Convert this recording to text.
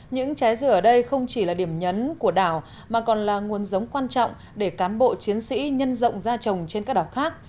những trái dừa ở đây không chỉ là điểm nhấn của đảo mà còn là nguồn giống quan trọng để cán bộ chiến sĩ nhân rộng ra trồng trên các đảo khác